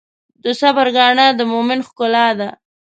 د صبر ګاڼه د مؤمن ښکلا ده.